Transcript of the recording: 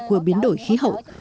của biến đổi khí hậu